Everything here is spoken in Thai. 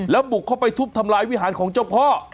แล้วบุกเข้าไปทุบทำลายวิหารของเจ้าพ่อ